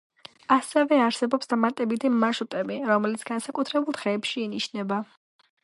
ასევე არსებობს დამატებითი მარშრუტები, რომლებიც განსაკუთრებულ დღეებში ინიშნება.